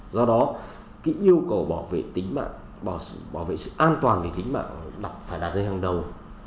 do đó cái yêu cầu bảo vệ tính mạng bảo vệ sự an toàn về tính mạng phải đạt ra hàng đầu